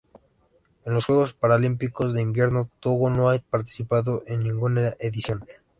En los Juegos Paralímpicos de Invierno Togo no ha participado en ninguna edición.